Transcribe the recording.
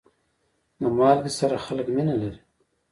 د مالګې سره خلک مینه لري.